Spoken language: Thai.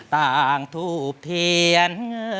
ต่างทูบเทียน